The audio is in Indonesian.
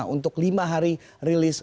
untuk lima hari rilis